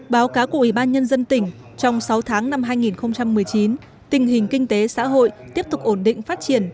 báo cáo của ủy ban nhân dân tỉnh trong sáu tháng năm hai nghìn một mươi chín tình hình kinh tế xã hội tiếp tục ổn định phát triển